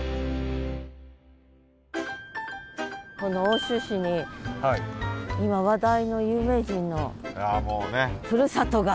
この奥州市に今話題の有名人のふるさとが。